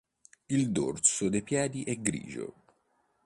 Il dorso dei piedi è grigio.